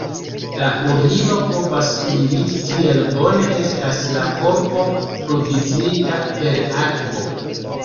La urino povas indiki, kiel bone estas la korpo provizita per akvo.